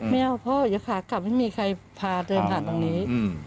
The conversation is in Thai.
ไม่เอาพ่ออย่าขากลับไม่มีใครพาเดินผ่านตรงนี้